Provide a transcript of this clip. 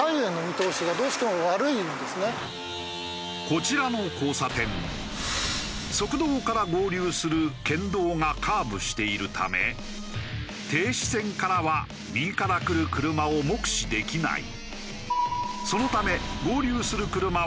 こちらの交差点側道から合流する県道がカーブしているため停止線からは右から来る車を目視できない。